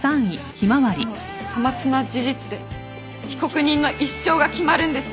そのさまつな事実で被告人の一生が決まるんです。